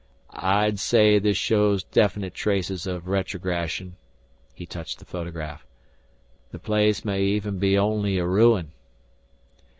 "I'd say this shows definite traces of retrogression." He touched the photograph. "The place may even be only a ruin."